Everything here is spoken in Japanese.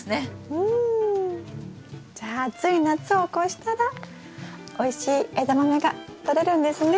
うん！じゃあ暑い夏を越したらおいしいエダマメがとれるんですね。